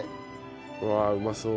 うわあうまそう。